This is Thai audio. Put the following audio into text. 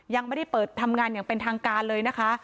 ยังไม่ได้เปิดทำงานอย่างเป็นทางการเลยนะคะ